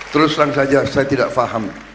terus terang saja saya tidak paham